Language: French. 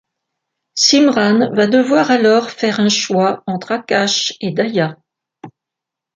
Simran va devoir alors faire un choix entre Akash et Daya.